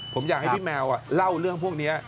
ผมอยากให้พี่แมวเล่าเรื่องพวกนี้